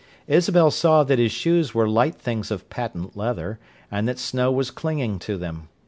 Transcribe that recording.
Isabel saw that his shoes were light things of patent leather, and that snow was clinging to them.